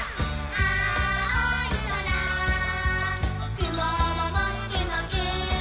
「あおいそらくもーももっくもく」